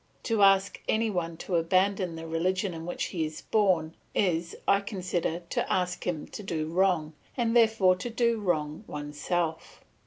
To ask any one to abandon the religion in which he was born is, I consider, to ask him to do wrong, and therefore to do wrong oneself.